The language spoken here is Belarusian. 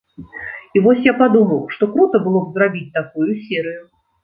І вось я падумаў, што крута было б зрабіць такую серыю.